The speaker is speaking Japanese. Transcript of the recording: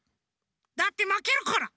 だってまけるから。